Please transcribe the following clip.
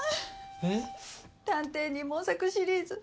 『探偵二毛作』シリーズ